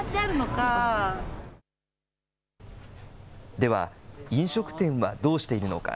では飲食店はどうしているのか。